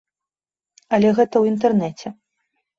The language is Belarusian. Але гэта ў інтэрнэце.